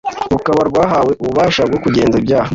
rukaba rwarahawe ububasha bwo kugenza ibyaha